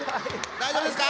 大丈夫ですか？